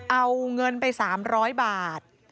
เอาเงินไป๓๐๐บาท